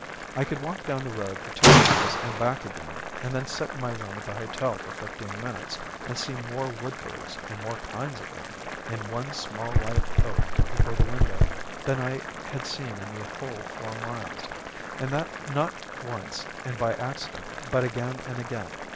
I could walk down the road for two miles and back again, and then sit in my room at the hotel for fifteen minutes, and see more wood birds, and more kinds of them, in one small live oak before the window than I had seen in the whole four miles; and that not once and by accident, but again and again.